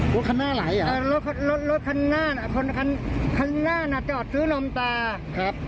รถคันหน้าไหลอ่ะเออรถรถคันหน้าอ่ะคนคันคันหน้าน่ะจอดซื้อลมตาครับ